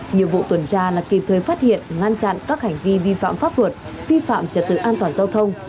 nhiệm vụ tuần tra là kịp thời phát hiện ngăn chặn các hành vi vi phạm pháp luật vi phạm trật tự an toàn giao thông